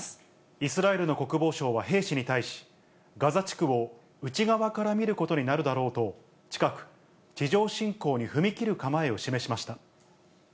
イスラエルの国防相は兵士に対し、ガザ地区を内側から見ることになるだろうと、近く、地上侵攻に踏み切る構えを示しました。